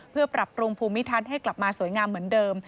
เพื่อปรับปรุงภูมิทัศน์ให้กลับมาสวยงามเหมือนเดิม